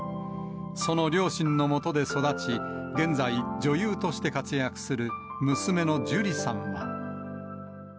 その両親のもとで育ち、現在、女優として活躍する娘の樹里さんは。